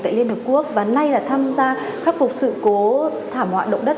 tại liên hợp quốc và nay là tham gia khắc phục sự cố thảm họa động đất